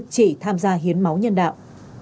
chỉ tham gia hiến máu nhân đạo